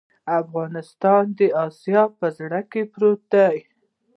افغانستان د اسیا په زړه کې پروت دی